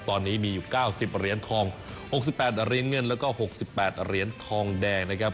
ตอนนี้มีอยู่๙๐เหรียญทอง๖๘เหรียญเงินแล้วก็๖๘เหรียญทองแดงนะครับ